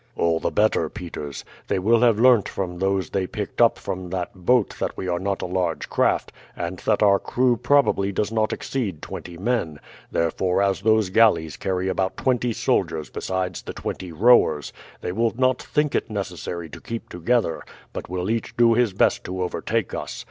"All the better, Peters. They will have learnt from those they picked up from that boat that we are not a large craft, and that our crew probably does not exceed twenty men; therefore, as those galleys carry about twenty soldiers besides the twenty rowers, they will not think it necessary to keep together, but will each do his best to overtake us.